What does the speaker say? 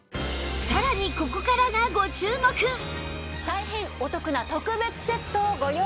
さらに大変お得な特別セットをご用意致しました。